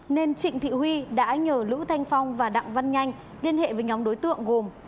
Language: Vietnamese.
nên trịnh thị huy đã nhờ lữ thanh phong và đặng văn nhanh liên hệ với nhóm đối tượng gồm